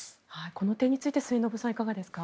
この点について末延さん、いかがですか？